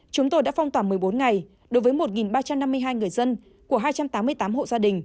chúng tôi đã phong tỏa một mươi bốn ngày đối với một ba trăm năm mươi hai người dân của hai trăm tám mươi tám hộ gia đình